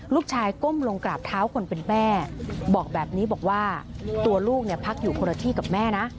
ก้มลงกราบเท้าคนเป็นแม่บอกแบบนี้บอกว่าตัวลูกเนี่ยพักอยู่คนละที่กับแม่นะ